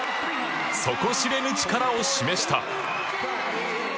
底知れぬ力を示した。